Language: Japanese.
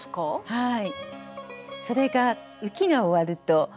はい。